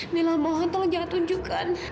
mila mohon tolong jangan tunjukkan